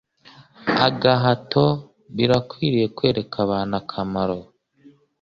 agahato. Birakwiriye kwereka abantu akamaro